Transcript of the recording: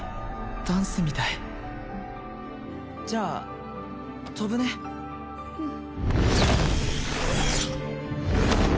ダンスみたいじゃあ飛ぶねうん